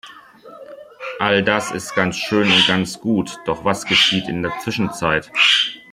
All das ist ganz schön und ganz gut, doch was geschieht in der Zwischenzeit?